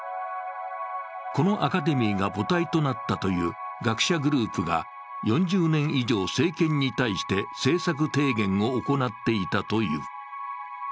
このアカデミーが母体となったという学者グループが４０年以上政権に対して政策提言を行っていたという。